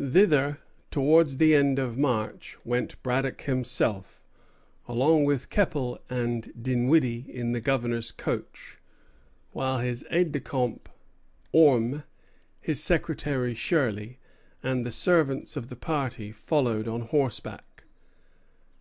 Thither, towards the end of March, went Braddock himself, along with Keppel and Dinwiddie, in the Governor's coach; while his aide de camp, Orme, his secretary, Shirley, and the servants of the party followed on horseback.